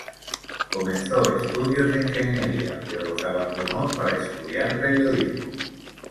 Comenzó estudios de ingeniería pero los abandonó para estudiar periodismo.